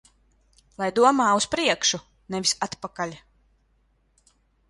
Lai domā uz priekšu, nevis atpakaļ.